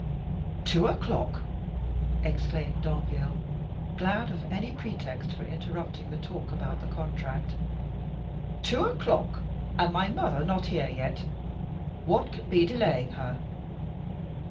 "Two o'clock!" exclaimed Danville, glad of any pretext for interrupting the talk about the contract. "Two o'clock; and my mother not here yet! What can be delaying her?"